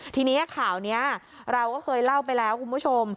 ทีนี้ข่าวนี้เราก็เคยเล่าไปแล้วคุณผู้ชม